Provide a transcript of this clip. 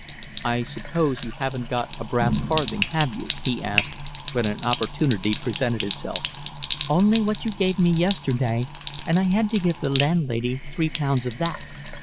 "I suppose you haven't got a brass farthing, have you?" he asked, when an opportunity presented itself. "Only what you gave me yesterday, and I had to give the landlady three pounds of that."